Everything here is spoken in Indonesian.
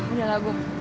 udah lah gong